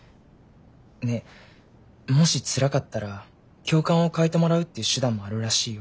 ねえもしつらかったら教官を替えてもらうっていう手段もあるらしいよ。